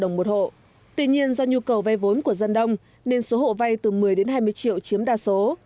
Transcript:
đối với gia đình tối đa là năm mươi triệu đồng một hộ tuy nhiên do nhu cầu vây vốn của dân đông nên số hộ vây từ một mươi đến hai mươi triệu chiếm đa số